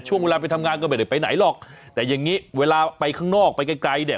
ช่วงเวลาไปทำงานก็ไม่ได้ไปไหนหรอกแต่อย่างงี้เวลาไปข้างนอกไปไกลไกลเนี่ย